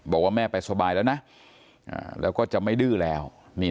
บอกว่าแม่ไปสบายแล้วนะแล้วก็จะไม่ดื้อแล้ว